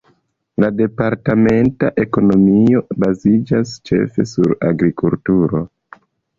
La departementa ekonomio baziĝas ĉefe sur agrikulturo.